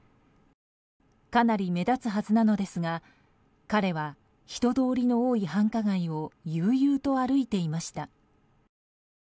かなり目立つはずなのですが彼は、人通りの多い繁華街を悠々と歩いていました。